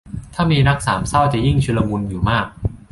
ถ้ามีรักสามเส้ายิ่งจะชุลมุนอยู่มาก